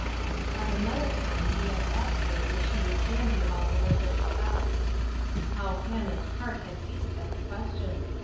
At another time he had asked her if she was handy about the work of the house. How Hannah's heart had beat at the question.